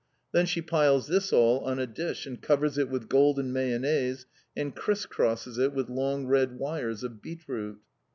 Then she piles this all on a dish and covers it with golden mayonnaise, and criss crosses it with long red wires of beetroot.